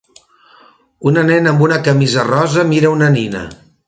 Una nena amb una camisa rosa mira una nina.